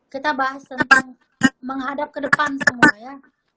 kita bahas tentang menghadap ke depan semua ya